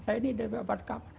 saya ini dari apartemen